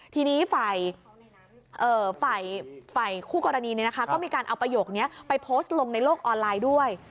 ทีนี้ฝ่ายคู่กรณีก็มีการเอาประโยคนี้ไปโพสต์ลงในโลกออนไลน์ด้วย